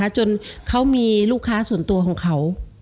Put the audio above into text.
จนเขามีลูกค้าส่วนตัวของเขา